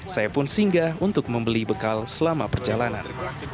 saya pun singgah untuk membeli bekal selama perjalanan